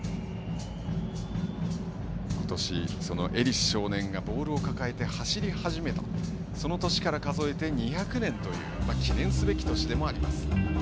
今年エリス少年がボールを抱えて走り始めた年から数えて２００年という記念すべき年でもあります。